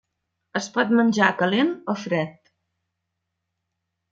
Es pot menjar calent o fred.